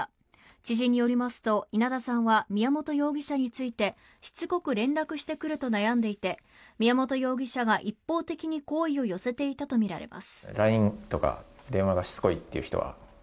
知人によりますと稲田さんは宮本容疑者についてしつこく連絡してくると悩んでいて宮本容疑者が一方的に好意を寄せていたとみられます。